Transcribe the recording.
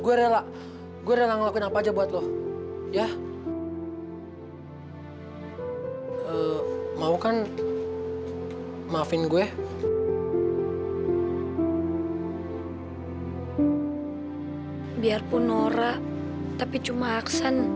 gue rela gue rela ngelakuin apa aja buat lo ya mau kan maafin gue biarpun nora tapi cuma aksan